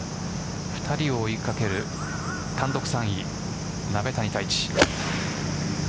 ２人を追い掛ける単独３位、鍋谷太一。